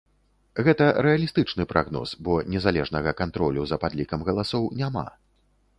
Гэта рэалістычны прагноз, бо незалежнага кантролю за падлікам галасоў няма.